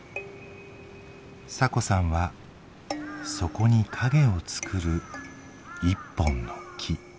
サコさんはそこに陰をつくる一本の木。